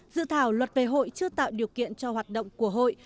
dự thảo luật về hội chưa tạo điều kiện cho hoạt động của hội